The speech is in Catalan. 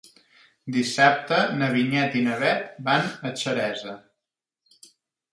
Dissabte na Vinyet i na Bet van a Xeresa.